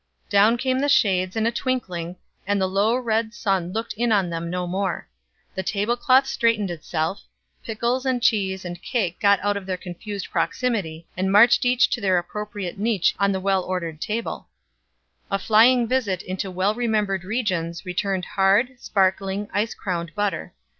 Down came the shades in a twinkling, and the low red sun looked in on them no more; the table cloth straightened itself; pickles and cheese and cake got out of their confused proximity, and marched each to their appropriate niche on the well ordered table; a flying visit into well remembered regions returned hard, sparkling, ice crowned butter.